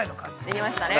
◆できましたね。